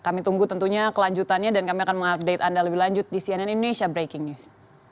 kami tunggu tentunya kelanjutannya dan kami akan mengupdate anda lebih lanjut di cnn indonesia breaking news